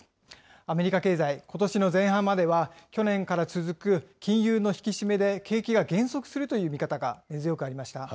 アメリカ経済、ことしの前半までは去年から続く金融の引き締めで景気が減速するという見方が根強くありました。